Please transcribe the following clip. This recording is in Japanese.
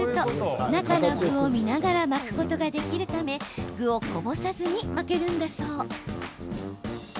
９０度回転すると、中の具を見ながら巻くことができるため具をこぼさずに巻けるんだそう。